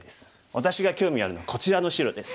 私が興味あるのはこちらの白です」。